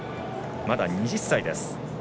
まだ２０歳です。